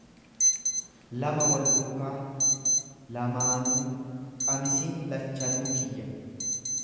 lama wal duukaaa, lamaanuu; Qamisiin lachanuu kiyya.